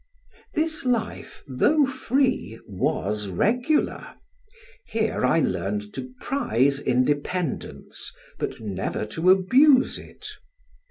This life, though free, was regular; here I learned to prize independence, but never to abuse it.